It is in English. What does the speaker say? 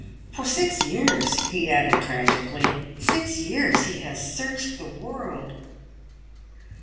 "For six years," he added tragically "six years he has searched the world